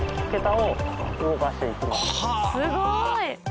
すごい！